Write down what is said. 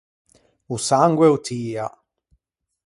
O sangue o tia.